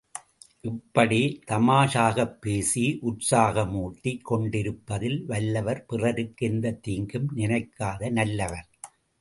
இப்படி தமாஷாகப் பேசி உற்சாகமூட்டிக் கொண்டிருப்பதில் வல்லவர் பிறருக்கு எந்தத் தீங்கும் நினைக்காத நல்லவர்.